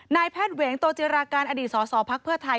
นายแพทย์เหวงโตเจราการอดีตสสภไทย